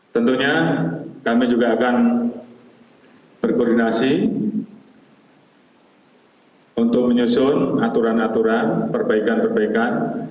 tentunya kami juga akan berkoordinasi untuk menyusun aturan aturan perbaikan perbaikan